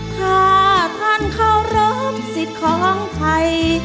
ถ้าท่านเคารพสิทธิ์ของใคร